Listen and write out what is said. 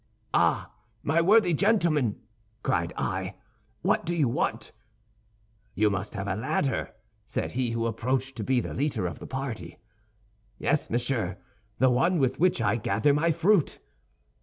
'Ah, my worthy gentlemen,' cried I, 'what do you want?' 'You must have a ladder?' said he who appeared to be the leader of the party. 'Yes, monsieur, the one with which I gather my fruit.